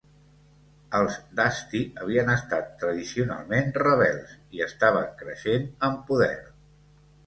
Els d'Asti havien estat tradicionalment rebels i estaven creixent en poder.